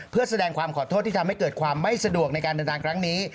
เพื่อแสดงความขอโทษที่ทำให้เกิดความไม่สะดวกในการเดินทางครั้งนี้